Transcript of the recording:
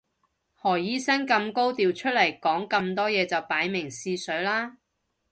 何醫生咁高調出嚟講咁多嘢就擺明試水啦